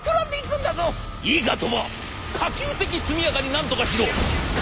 「いいか鳥羽可及的速やかになんとかしろ！」。